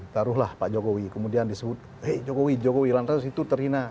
taruhlah pak jokowi kemudian disebut hei jokowi jokowi lantas itu terhina